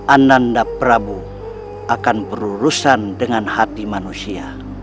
ananda prabowo akan berurusan dengan hati manusia